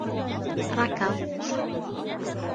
ركض.